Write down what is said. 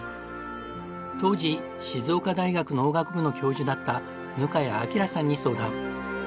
当時静岡大学農学部の教授だった糠谷明さんに相談。